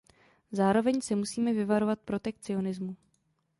Zároveň se musíme vyvarovat protekcionismu.